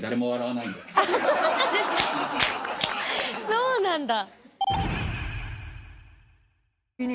そうなんだ。